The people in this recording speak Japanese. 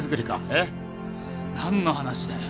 えっ？何の話だよ。